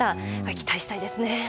期待したいですね。